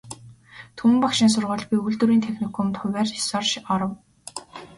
Түмэн багшийн сургуульд, би үйлдвэрийн техникумд хувиар ёсоор оров.